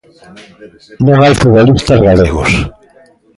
Non hai futbolistas galegos.